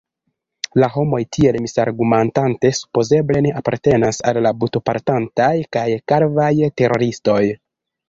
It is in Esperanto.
La homoj tiel misargumentante supozeble ne apartenas al la botoportantaj kaj kalvaj teroristoj.